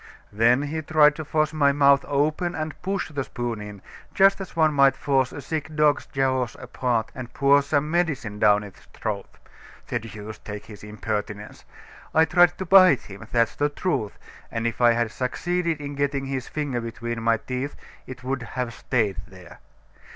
Then he tried to force my mouth open and push the spoon in, just as one might force a sick dog's jaws apart and pour some medicine down its throat. The deuce take his impertinence! I tried to bite him: that's the truth, and if I had succeeded in getting his finger between my teeth, it would have stayed there.